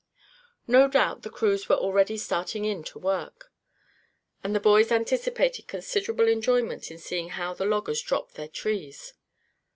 No doubt the crews were already starting in to work, and the boys anticipated considerable enjoyment in seeing how the loggers dropped their trees.